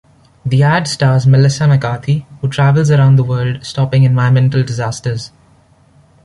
The ad stars Melissa McCarthy, who travels around the world stopping environmental disasters.